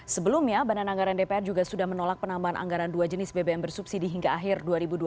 sebelumnya badan anggaran dpr juga sudah menolak penambahan anggaran dua jenis bbm bersubsidi hingga akhir dua ribu dua puluh